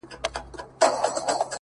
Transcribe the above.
ځوان د پوره سلو سلگيو څه راوروسته _